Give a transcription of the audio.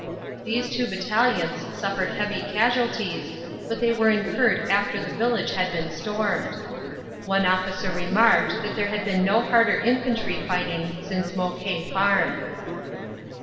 These two battalions suffered heavy casualties but they were incurred after the village had been stormed. One officer remarked that there had been no harder infantry fighting since Mouquet Farm.